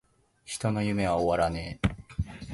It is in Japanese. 人の夢は!!!終わらねェ!!!!